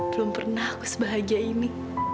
belum pernah aku sebahagia ini